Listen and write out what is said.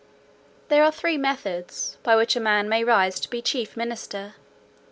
"There are three methods, by which a man may rise to be chief minister.